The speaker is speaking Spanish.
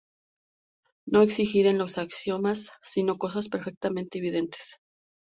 No exigir en los axiomas sino cosas perfectamente evidentes.